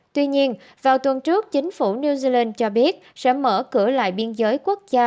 tuy nhiên vào tuần trước chính phủ new zealand cho biết sẽ mở cửa lại biên giới quốc gia